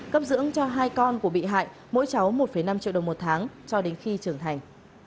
cấp dưỡng cho hai con của bị hại mỗi cháu một năm triệu đồng một tháng cho đến khi trưởng thành